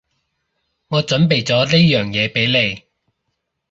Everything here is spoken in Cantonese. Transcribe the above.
我準備咗呢樣嘢畀你